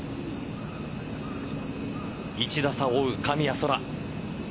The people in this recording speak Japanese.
１打差を追う神谷そら。